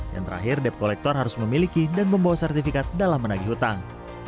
dan terakhir dep kolektor harus memiliki dan membawa sertifikat dalam menagih hutang